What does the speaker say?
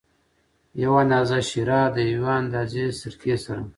یو اندازه شېره د یوې اندازه سرکې سره.